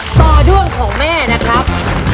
ต่อด้วงของแม่นะครับ